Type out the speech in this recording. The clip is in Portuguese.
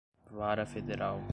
vara federal